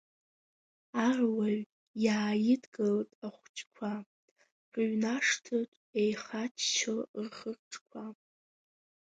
Аруаҩ иааидгылт ахәҷқәа, рыҩнашҭаҿ, еихаччо рхырҿқәа.